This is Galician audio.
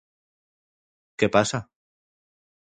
_Que pasa?